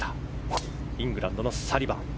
イングランドのサリバン。